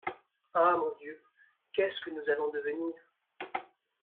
Ah ! mon Dieu, qu’est-ce que nous allons devenir ?